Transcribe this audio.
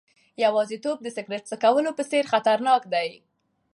یوازیتوب د سیګریټ څکولو په څېر خطرناک دی.